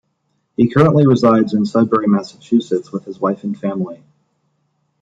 He currently resides in Sudbury, Massachusetts with his wife and family.